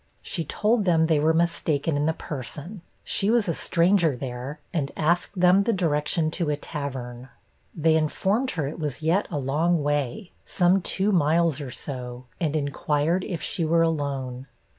She told them they were mistaken in the person; she was a stranger there, and asked them the direction to a tavern. They informed her it was yet a long way some two miles or so; and inquired if she were alone.